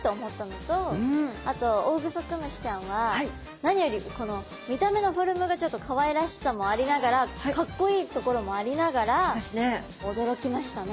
あとオオグソクムシちゃんは何よりこの見た目のフォルムがちょっとかわいらしさもありながらかっこいいところもありながら驚きましたね。